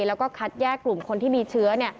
แล้วก็คัดแยกกลุ่มคนที่มีเชื้อ